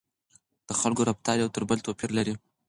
د خلکو رفتار یو تر بل توپیر لري.